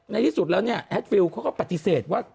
ที่สุดแล้วเนี่ยแอดฟิลเขาก็ปฏิเสธว่า